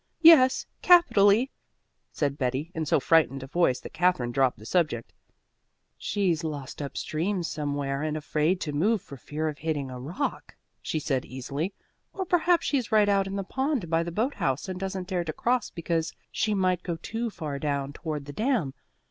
"Yes, capitally," said Betty in so frightened a voice that Katherine dropped the subject. "She's lost up stream somewhere and afraid to move for fear of hitting a rock," she said easily. "Or perhaps she's right out in the pond by the boat house and doesn't dare to cross because she might go too far down toward the dam.